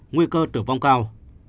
nguy cơ tử vong cao